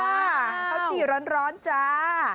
ข้าวจี่ร้อนจ้า